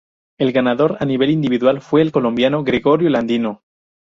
El ganador a nivel individual fue el colombiano Gregorio Ladino.